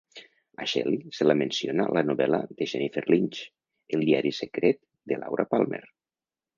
A Shelly se la menciona a la novel·la de Jennifer Lynch "El Diari Secret de Laura Palmer".